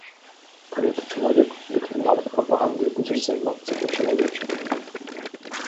Калі ты чалавек, дык ты нават прапагандай будзеш займацца па-чалавечы.